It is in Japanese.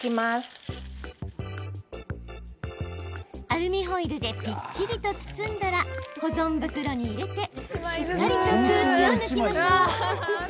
アルミホイルでぴっちりと包んだら保存袋に入れてしっかりと空気を抜きましょう。